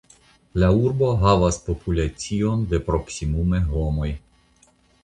La urbo havas populacion de proksimume homoj.